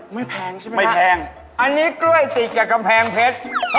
ไม่แพงใช่ไหมครับอันนี้กล้วยติดกับกำแพงเพชร